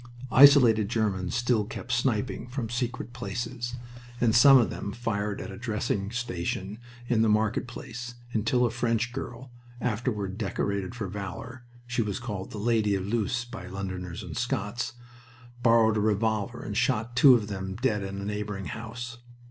Isolated Germans still kept sniping from secret places, and some of them fired at a dressing station in the market place, until a French girl, afterward decorated for valor she was called the Lady of Loos by Londoners and Scots borrowed a revolver and shot two of them dead in a neighboring house.